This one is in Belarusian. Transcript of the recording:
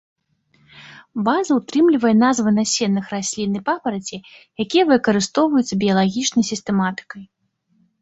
База ўтрымлівае назвы насенных раслін і папараці, якія выкарыстоўваюцца біялагічнай сістэматыкай.